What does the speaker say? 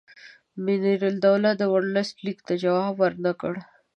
منیرالدوله د ورلسټ لیک ته جواب ورنه کړ.